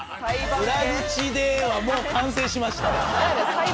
「裏口で」はもう完成しました。